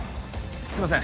すいません